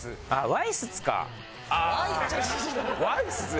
「ワイスツ」？